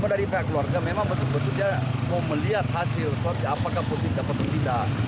dia mau melihat hasil apakah positif atau tidak